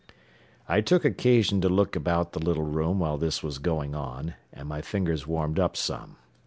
I took occasion to look about the little room while this was going on and my fingers warmed up some.